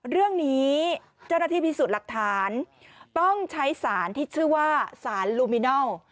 เรื่องนี้เจ้าหน้าที่พิสูจน์หลักฐานต้องใช้สารที่ชื่อว่าสารลูมินัล